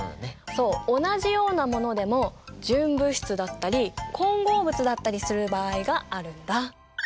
そう同じようなものでも純物質だったり混合物だったりする場合があるんだ。